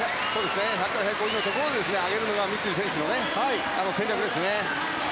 １５０で上げるのが三井選手の戦略ですね。